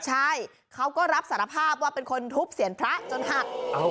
ใช่เขาก็รับสารภาพว่าเป็นคนทุบเสียงพระจนหัก